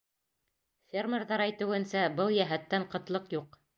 Фермерҙар әйтеүенсә, был йәһәттән ҡытлыҡ юҡ.